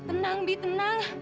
tenang bi tenang